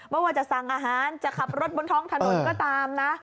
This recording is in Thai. ไม่ว่าจะสั่งอาหารจะขับรถบนท้องถนนก็ตามนะ